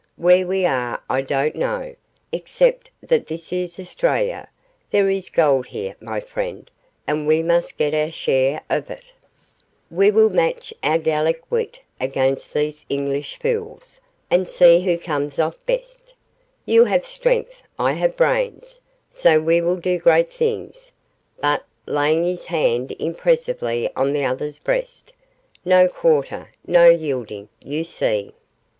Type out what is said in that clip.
Where we are I don't know, except that this is Australia; there is gold here, my friend, and we must get our share of it. We will match our Gallic wit against these English fools, and see who comes off best. You have strength, I have brains; so we will do great things; but' laying his hand impressively on the other's breast 'no quarter, no yielding, you see!